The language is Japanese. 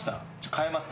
変えます。